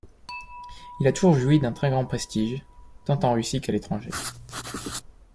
Il a toujours joui d’un très grand prestige, tant en Russie, qu’à l’étranger.